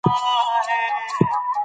د نجونو تعلیم د چاپیریال پاک ساتل دي.